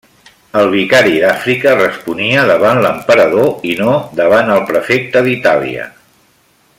El vicari d'Àfrica responia davant l'emperador i no davant el Prefecte d'Itàlia.